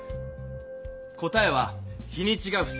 答えは日にちが２日。